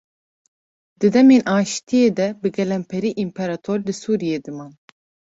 Di demên aşitiye de bi gelemperî împerator li Sûriyê diman.